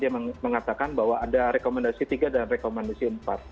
dia mengatakan bahwa ada rekomendasi tiga dan rekomendasi empat